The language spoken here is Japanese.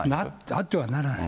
あってはならない。